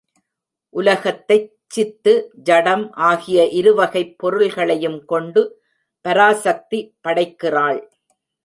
உலகத்தைச் சித்து, ஜடம் ஆகிய இருவகைப் பொருள்களையும் கொண்டு பராசக்தி படைக்கிறாள்.